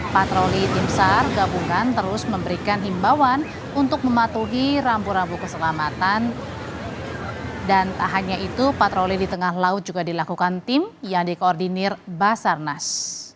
patroli di tengah laut juga dilakukan tim yang dikoordinir basarnas